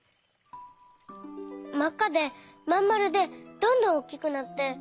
まっかでまんまるでどんどんおっきくなって。